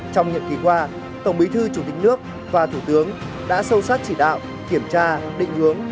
trong nhiệm ký qua tổng bí thư chủ tịch nước và thủ tướng đã sâu sát chỉ đạo kiểm tra định hướng